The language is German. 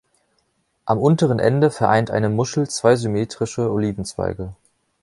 Am unteren Ende vereint eine Muschel zwei symmetrische Olivenzweige.